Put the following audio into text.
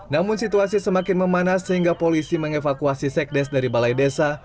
namun situasi semakin memanas sehingga polisi mengevakuasi sekdes dari balai desa